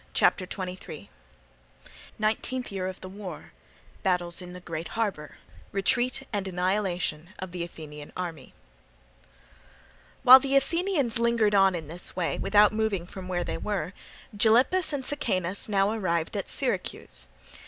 CHAPTER XXIII Nineteenth Year of the War—Battles in the Great Harbour—Retreat and Annihilation of the Athenian Army While the Athenians lingered on in this way without moving from where they were, Gylippus and Sicanus now arrived at Syracuse.